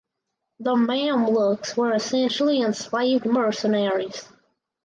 The Mamluks were essentially enslaved mercenaries.